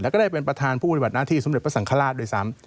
แล้วก็ได้เป็นประธานผู้ปฏิบัติหน้าที่สมเด็จพระสังฆราชด้วยซ้ำ